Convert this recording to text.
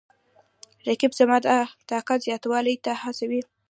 رقیب زما د طاقت زیاتولو ته هڅوي